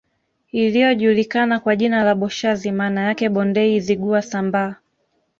Iliyojulikana kwa jina la Boshazi maana yake Bondei Zigua Sambaa